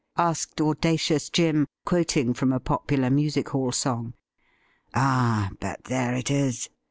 asked audacious Jim, quoting from a popular music hall song. ' Ah ! but there it is.